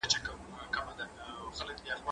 زه به سبا د کتابتوننۍ سره خبري کوم